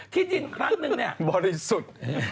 ที่จริงครั้งนึงเนี่ย